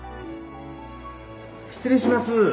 失礼します。